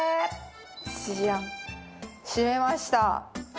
閉めました。